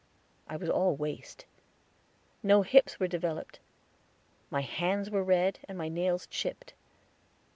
I was all waist; no hips were developed my hands were red, and my nails chipped.